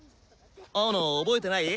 青野覚えてない？